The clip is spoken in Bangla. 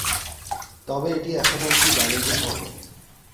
তবে এটি এখনও একটি বাণিজ্যিক ভবন।